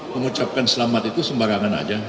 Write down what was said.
mengucapkan selamat itu sembarangan aja